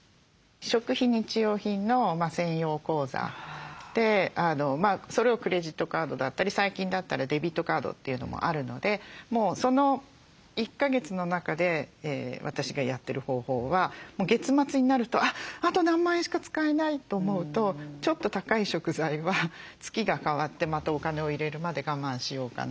食費日用品の専用口座でそれをクレジットカードだったり最近だったらデビットカードというのもあるので１か月の中で私がやってる方法は月末になると「あと何万円しか使えない」と思うとちょっと高い食材は月が替わってまたお金を入れるまで我慢しようかなとか。